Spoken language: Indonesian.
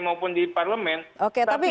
maupun di parlemen tapi